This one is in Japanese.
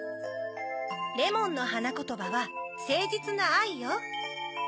レモンのはなことばは「せいじつなあい」よ。